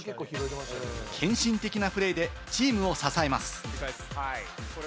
献身的なプレーでチームを支えます。